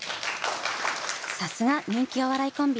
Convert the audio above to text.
さすが人気お笑いコンビ。